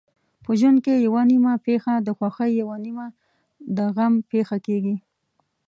په ژوند کې یوه نیمه پېښه د خوښۍ یوه نیمه د غم پېښه کېږي.